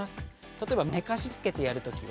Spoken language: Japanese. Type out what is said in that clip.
例えば寝かしつけてやるときは。